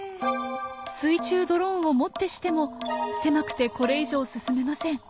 水中ドローンをもってしても狭くてこれ以上進めません。